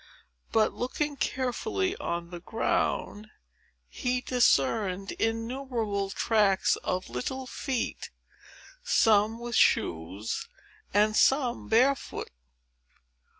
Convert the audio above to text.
But, looking carefully on the ground, he discerned innumerable tracks of little feet, some with shoes, and some barefoot.